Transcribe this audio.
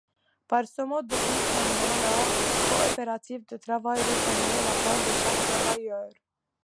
Par ce mode de fonctionnement, la coopérative de travail reconnaît l’apport de chaque travailleur.